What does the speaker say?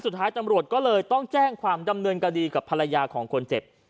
สุดท้ายตำรวจก็เลยต้องแจ้งความดำเนินคดีกับภรรยาของคนเจ็บ